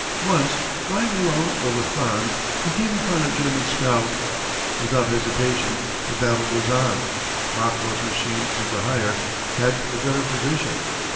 Once, flying alone over Thann, he came upon a German scout. Without hesitation the battle was on. Rockwell's machine was the higher, had the better position.